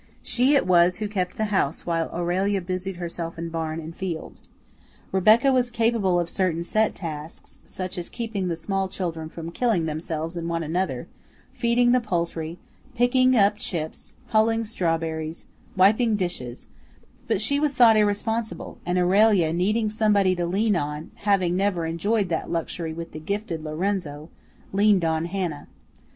She it was who kept the house while Aurelia busied herself in barn and field. Rebecca was capable of certain set tasks, such as keeping the small children from killing themselves and one another, feeding the poultry, picking up chips, hulling strawberries, wiping dishes; but she was thought irresponsible, and Aurelia, needing somebody to lean on (having never enjoyed that luxury with the gifted Lorenzo), leaned on Hannah.